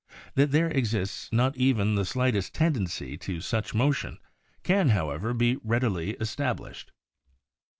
That there exists not even the slightest tendency to such motion can, however, be readily estab lished.